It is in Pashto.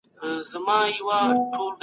که ځوانان بوخت سي نو جګړې کميږي.